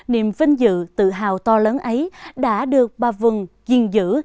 niềm vinh dự tự hào to lớn ấy đã được bà vân duyên giữ